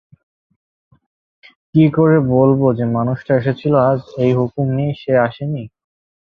কী করে বলব যে-মানুষটা এসেছিল আজ, এই হুকুম নিয়েই সে আসে নি?